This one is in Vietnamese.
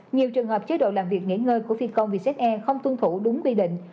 nhiều trường hợp chế độ làm việc nghỉ ngơi của phi công vietjet air không tuân thủ đúng bi định